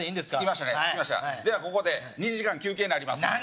つきましたではここで２時間休憩になります